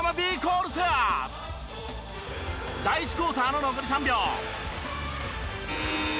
第１クオーターの残り３秒。